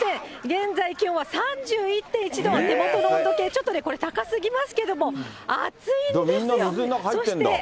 現在、気温は３１．１度、手元の温度計、ちょっとこれ、高すぎますけれども、暑いんですよ。